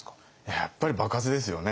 やっぱり場数ですよね。